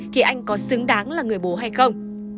thì anh có xứng đáng là người bố hay không